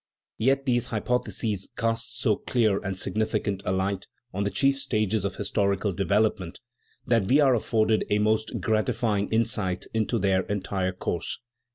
Yet these hypotheses cast so clear and significant a light on the chief stages of his torical development that we are afforded a most gratify ing insight into their entire course.